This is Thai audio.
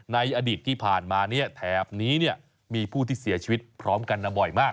อดีตที่ผ่านมาเนี่ยแถบนี้มีผู้ที่เสียชีวิตพร้อมกันบ่อยมาก